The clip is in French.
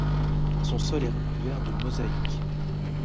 Son sol est recouvert de mosaïques.